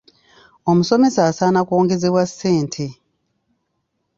Omusomesa asaana kwongezebwa ssente.